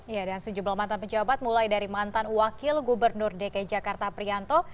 ya dan sejumlah mantan pejabat mulai dari mantan wakil gubernur dki jakarta prianto